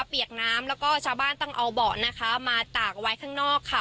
เปียกน้ำแล้วก็ชาวบ้านต้องเอาเบาะนะคะมาตากไว้ข้างนอกค่ะ